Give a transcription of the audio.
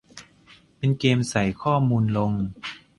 เป็นเกมส์ใส่ข้อมูลลง